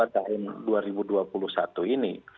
tahun dua ribu dua puluh satu ini